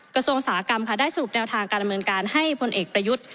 กระทรวงอุตสาหกรรมค่ะได้สรุปแนวทางการดำเนินการให้พลเอกประยุทธ์